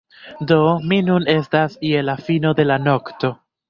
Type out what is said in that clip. Do, ni nun estas je la fino de la nokto